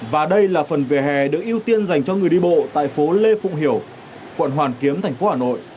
và đây là phần vỉa hè được ưu tiên dành cho người đi bộ tại phố lê phụng hiểu quận hoàn kiếm thành phố hà nội